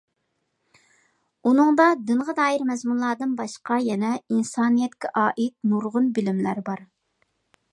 ئۇنىڭدا دىنغا دائىر مەزمۇنلاردىن باشقا يەنە ئىنسانىيەتكە ئائىت نۇرغۇن بىلىملەر بار.